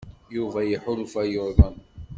Yuba iḥulfa yuḍen.